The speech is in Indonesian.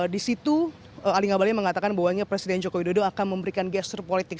di situ ali ngabalin mengatakan bahwa presiden jokowi dodo akan memberikan gestur politik